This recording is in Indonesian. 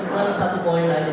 itu baru satu poin aja